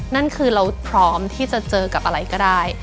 นั่นคือเราพร้อมที่จะเจอกับอะไรก็ได้